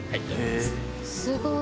すごい。